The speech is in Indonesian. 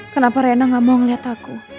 kenapa rena gak mau ngeliat aku